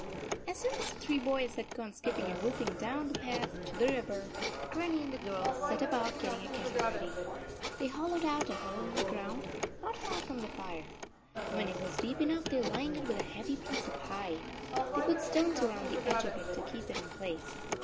As soon as the three boys had gone skip ping and whooping down the path to the river, Grannie and the girls set about get ting a kettle ready. They hollowed out a hole in the ground, not far from the fire. When it was deep enough they lined it with a heavy piece of hide. They put stones around the edge of it to keep it in place.